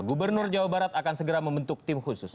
gubernur jawa barat akan segera membentuk tim khusus